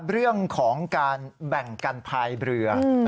เรื่องของการแบ่งกันภายเรือ